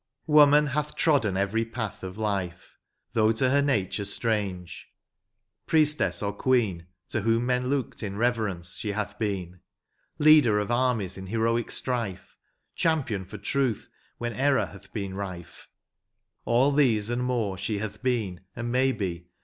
Woman hath trodden every path of life, Though to her nature strange ; priestess or queen, To whom men looked in reverence, she hath heen ; Leader of armies in heroic strife. Champion for truth when error hath heen rife, — All these, and more, she hath heen, and may be.